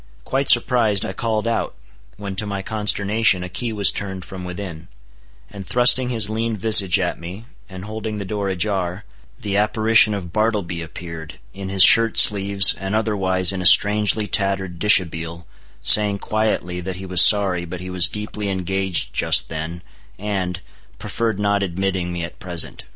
Quite surprised, I called out; when to my consternation a key was turned from within; and thrusting his lean visage at me, and holding the door ajar, the apparition of Bartleby appeared, in his shirt sleeves, and otherwise in a strangely tattered dishabille, saying quietly that he was sorry, but he was deeply engaged just then, and—preferred not admitting me at present.